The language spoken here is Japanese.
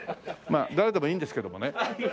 まあ誰でもいいんですけどもね。